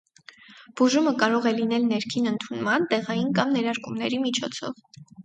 Բուժումը կարող է լինել ներքին ընդունման, տեղային կամ ներարկումների միջոցով։